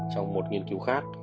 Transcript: trong một nghiên cứu khác